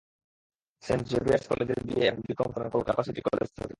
Saint Xavier's কলেজের BA এবং BCom করেন কলকাতা সিটি কলেজ থেকে।